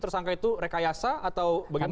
tersangka itu rekayasa atau begitu